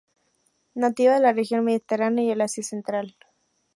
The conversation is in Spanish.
Nativa de la región Mediterránea y el Asia central.